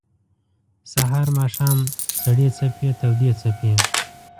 سهار ، ماښام سړې څپې تودي څپې